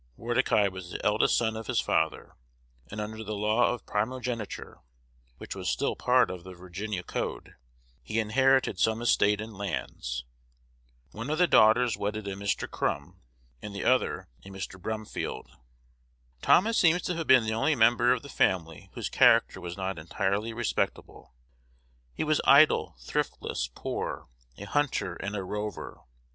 Mordecai was the eldest son of his father; and under the law of primogeniture, which was still a part of the Virginia code, he inherited some estate in lands. One of the daughters wedded a Mr. Krume, and the other a Mr. Brumfield. Thomas seems to have been the only member of the family whose character was not entirely respectable. He was idle, thriftless, poor, a hunter, and a rover.